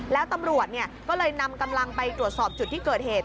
แล้วตำรวจก็เลยนำกำลังไปตรวจสอบจุดที่เกิดเหตุ